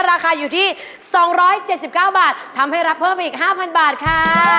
ราคาอยู่ที่๒๗๙บาททำให้รับเพิ่มไปอีก๕๐๐บาทค่ะ